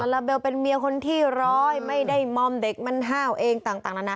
ลาลาเบลเป็นเมียคนที่ร้อยไม่ได้มอมเด็กมันห้าวเองต่างนานา